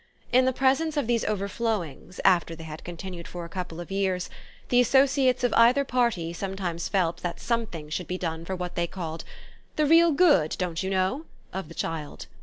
In the presence of these overflowings, after they had continued for a couple of years, the associates of either party sometimes felt that something should be done for what they called "the real good, don't you know?" of the child.